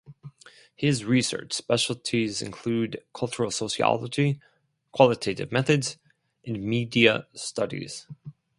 His research specialties include cultural sociology, qualitative methods and media studies.